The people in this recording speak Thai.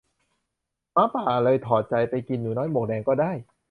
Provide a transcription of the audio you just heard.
หมาป่าเลยถอดใจ ไปกินหนูน้อยหมวกแดงก็ได้